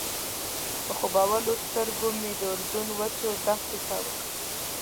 په خوبولو سترګو مې د اردن وچو دښتو ته وکتل.